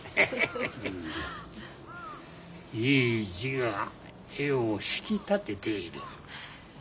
いい字が絵を引き立てている。